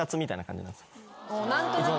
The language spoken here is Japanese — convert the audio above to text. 何となく？